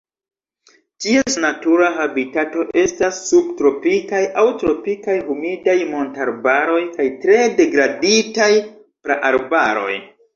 Ties natura habitato estas subtropikaj aŭ tropikaj humidaj montararbaroj kaj tre degraditaj praarbaroj.